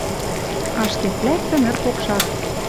Ашкед лӓктӹ ныр покшак.